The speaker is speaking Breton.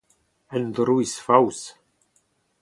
Un drouiz faos !